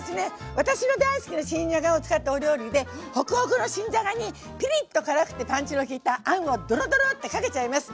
私の大好きな新じゃがを使ったお料理でホクホクの新じゃがにピリッと辛くてパンチの利いたあんをドロドローってかけちゃいます。